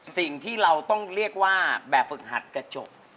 สิ่งที่เราต้องเรียกว่าแบบฝึกหัดกระจก